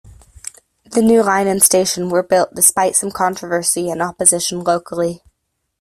The new line and station were built despite some controversy and opposition locally.